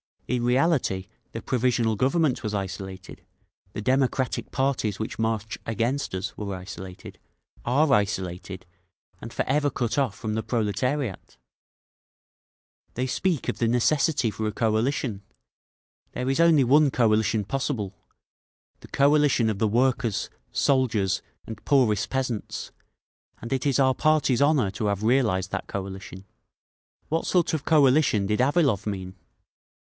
_ In reality the Provisional Government was isolated; the democratic parties which march against us were isolated, are isolated, and forever cut off from the proletariat! "They speak of the necessity for a coalition. There is only one coalition possible—the coalition of the workers, soldiers and poorest peasants; and it is our party's honour to have realised that coalition…. What sort of coalition did Avilov mean?